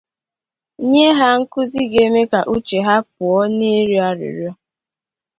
nye ha nkuzi ga-eme ka uche ha pụọ n'ịrịọ arịrịọ